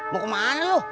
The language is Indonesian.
mau kemana lo